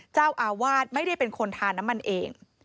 เจ้าอาวาสไม่ได้เป็นคนทานน้ำมันเอง